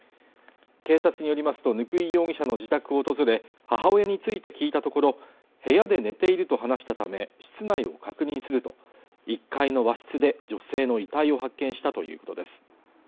警察によりますと貫井容疑者の自宅を訪れ母親について聞いたところ部屋で寝ていると話したため室内を確認すると１階の和室で女性の遺体を発見したということです